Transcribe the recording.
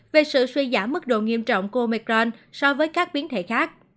về sự suy giảm mức độ nghiêm trọng của micron so với các biến thể khác